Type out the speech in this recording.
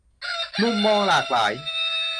'มุมมองหลากหลาย'